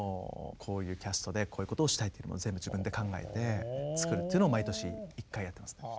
こういうキャストでこういうことをしたいというのを全部自分で考えて作るというのを毎年１回やってますね。